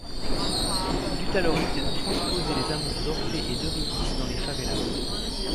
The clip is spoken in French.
Il eut alors l'idée de transposer les amours d'Orphée et d'Eurydice dans les favelas.